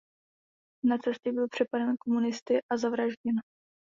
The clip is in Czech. Na cestě byl přepaden komunisty a zavražděn.